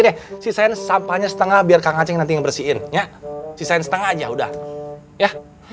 deh sisain sampahnya setengah biarkan aja nanti bersihin ya sisain setengah aja udah ya